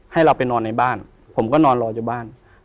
ให้เราไปนอนในบ้านผมก็นอนรออยู่บ้าน